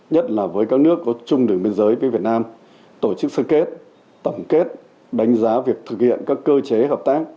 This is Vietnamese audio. nhất là với các nước có chung đường biên giới với việt nam tổ chức phân kết tổng kết đánh giá việc thực hiện các cơ chế hợp tác